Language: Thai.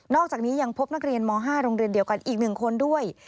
อกจากนี้ยังพบนักเรียนม๕โรงเรียนเดียวกันอีก๑คนด้วย